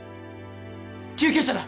救急車だ！